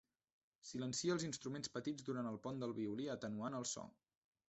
Silencia els instruments petits durant el pont del violí atenuant el so.